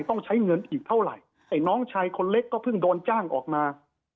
ต้องใช้เงินอีกเท่าไหร่ไอ้น้องชายคนเล็กก็เพิ่งโดนจ้างออกมา